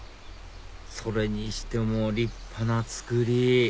それにしても立派な造り！